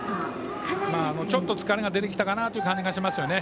ちょっと疲れが出てきたかなという感じがしますよね。